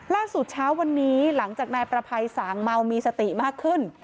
เช้าวันนี้หลังจากนายประภัยสางเมามีสติมากขึ้น